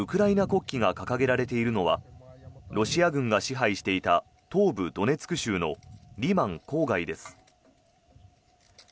国旗が掲げられているのはロシア軍が支配していた東部ドネツク州のリマン郊外です。